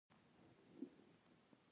خطرناکه لار مو تر شاه پرېښوده.